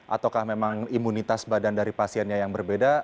ataukah memang imunitas badan dari pasiennya yang berbeda